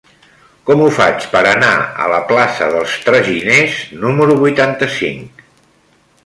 Com ho faig per anar a la plaça dels Traginers número vuitanta-cinc?